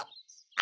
あ！